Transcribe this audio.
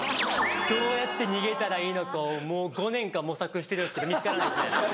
どうやって逃げたらいいのかをもう５年間模索してるんですけど見つからないですね。